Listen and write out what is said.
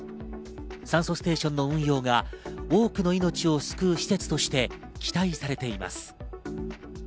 酸素ステーションの運用が多くの命を救う施設として期待されています。